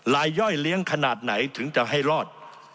ย่อยเลี้ยงขนาดไหนถึงจะให้รอด